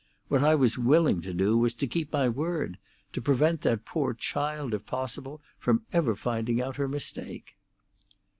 What I was willing to do was to keep my word—to prevent that poor child, if possible, from ever finding out her mistake."